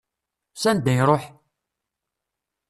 S anda iruḥ?